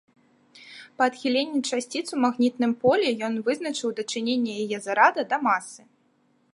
Па адхіленні часціц у магнітам поле ён вызначыў дачыненне яе зарада да масы.